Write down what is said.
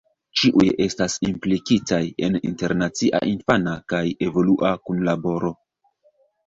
Ĉiuj estas implikitaj en internacia infana kaj evolua kunlaboro.